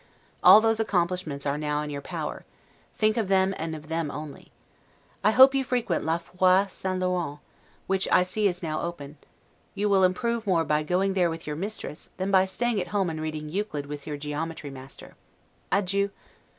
All those accomplishments are now in your power; think of them, and of them only. I hope you frequent La Foire St. Laurent, which I see is now open; you will improve more by going there with your mistress, than by staying at home and reading Euclid with your geometry master. Adieu.